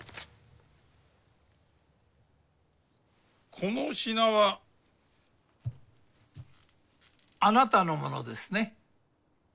この品はあなたのものですね？